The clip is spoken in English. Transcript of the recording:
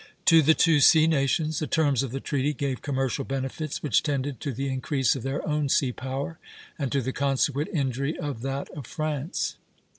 To the two sea nations the terms of the treaty gave commercial benefits, which tended to the increase of their own sea power and to the consequent injury of that of France.